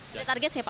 ada target siapa